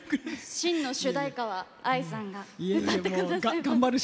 真の主題歌はＡＩさんが歌ってくださると。